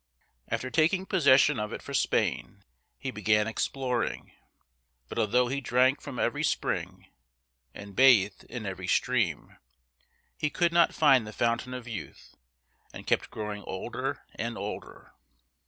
After taking possession of it for Spain, he began exploring; but although he drank from every spring, and bathed in every stream, he could not find the Fountain of Youth, and kept growing older and older.